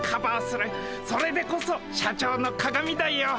それでこそ社長の鑑だよ。